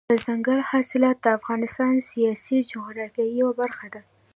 دځنګل حاصلات د افغانستان د سیاسي جغرافیې یوه برخه ده.